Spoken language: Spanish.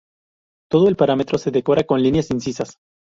Todo el paramento se decora con líneas incisas.